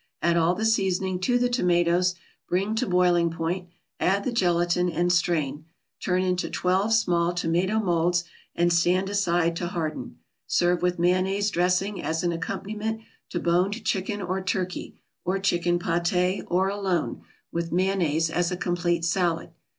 Add all the seasoning to the tomatoes, bring to boiling point, add the gelatin, and strain. Turn into twelve small tomato molds and stand aside to harden. Serve with mayonnaise dressing as an accompaniment to boned chicken or turkey, or chicken paté, or alone, with mayonnaise, as a complete salad.